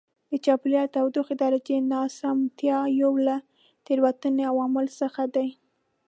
د چاپېریال د تودوخې درجې ناسمتیا یو له تېروتنې عواملو څخه دی.